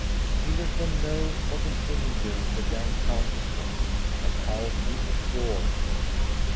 He let them know what an angel the young coun tess was, and how he adored her.